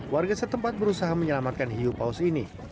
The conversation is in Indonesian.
warga setempat berusaha menyelamatkan hiu paus ini